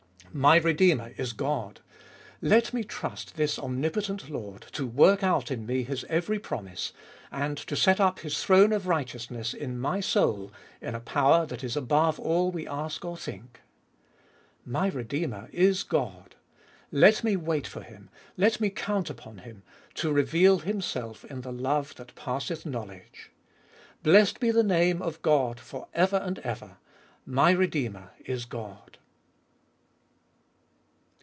My Redeemer is God ! let me trust this omnipotent Lord to work out in me His every promise, and to set up His throne of righteousness in my soul in a power that is above all we ask or think. My Redeemer is God ! let me wait for Him, let me count upon Him, to reveal Himself in the love that passeth knowledge. Blessed be the name of God for ever and ever : My Redeemer is God